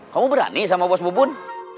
kamu berani sama bos mubun